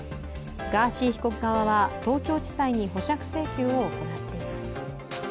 ガーシー被告側は東京地裁に保釈請求を行っています。